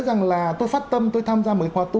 rằng là tôi phát tâm tôi tham gia một cái khóa bốn